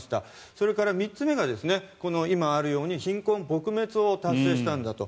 それから３つ目が、今あるように貧困撲滅を達成したんだと。